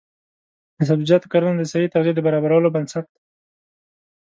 د سبزیجاتو کرنه د صحي تغذیې د برابرولو بنسټ دی.